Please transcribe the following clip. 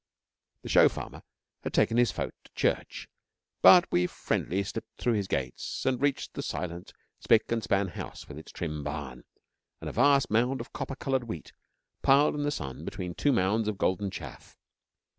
The show farmer had taken his folk to church, but we friendly slipped through his gates and reached the silent, spick and span house, with its trim barn, and a vast mound of copper coloured wheat, piled in the sun between two mounds of golden chaff.